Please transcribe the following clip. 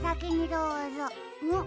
どうぞ！